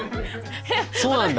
そうなんだ！